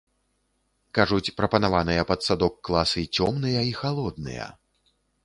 Кажуць, прапанаваныя пад садок класы цёмныя і халодныя.